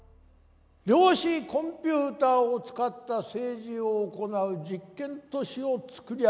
量子コンピューターを使った政治を行う実験都市を作り上げました。